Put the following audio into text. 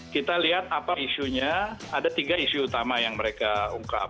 kita lihat apa isunya ada tiga isu utama yang mereka ungkap